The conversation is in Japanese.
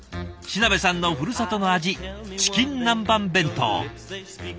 品部さんのふるさとの味チキン南蛮弁当。